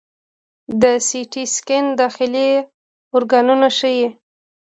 د سی ټي سکین داخلي ارګانونه ښيي.